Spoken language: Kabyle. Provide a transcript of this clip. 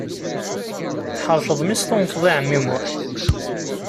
Tḥerceḍ mi s-tunfeḍ i ɛemmi Muḥ